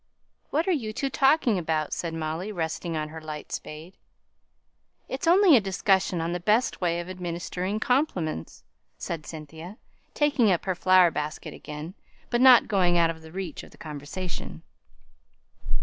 "What are you two talking about?" said Molly, resting on her light spade. "It's only a discussion on the best way of administering compliments," said Cynthia, taking up her flower basket again, but not going out of the reach of the conversation.